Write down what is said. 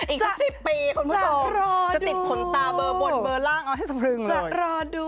อีกสัก๑๐ปีคนท้องจะติดผลตาเบอร์บนเบอร์ล่างเอาให้สบรึงเลย